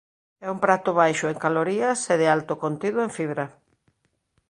É un prato baixo en calorías e de alto contido en fibra.